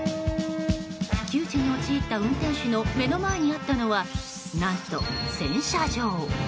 窮地に陥った運転手の目の前にあったのは何と洗車場。